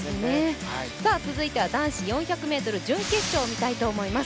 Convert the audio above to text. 続いては男子４００ｍ準決勝を見たいと思います。